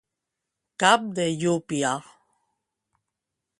Cap de llúpia.